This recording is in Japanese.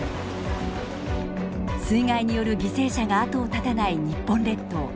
水害による犠牲者が後を絶たない日本列島。